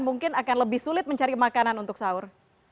mungkin akan lebih sulit mencari makanan untuk sahur